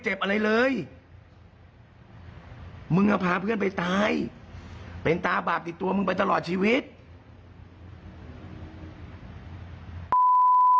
จะต้องมีความผิดจะต้องมีบาปติดตัวไปตลอดชีวิตแน่นอน